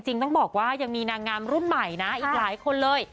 ต้องบอกว่ายังมีนางงามรุ่นใหม่นะอีกหลายคนเลย